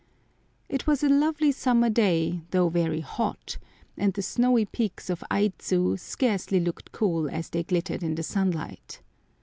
It was a lovely summer day, though very hot, and the snowy peaks of Aidzu scarcely looked cool as they glittered in the sunlight.